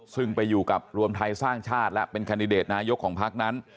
ซึ่งไปอยู่กับรวมไทยสร้างชาติและเป็นแคนดิเดตนายกของพักนั้น